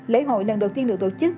lễ hội lần đầu tiên được tổ chức